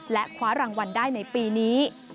และคว้ารางวัลได้ในปีนี้